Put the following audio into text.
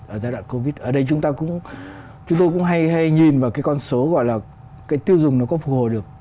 ở giai đoạn covid ở đây chúng ta cũng hay nhìn vào cái con số gọi là cái tiêu dùng nó có phù hồi được